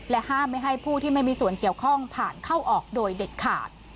ห้ามไม่ให้ผู้ที่ไม่มีส่วนเกี่ยวข้องผ่านเข้าออกโดยเด็ดขาด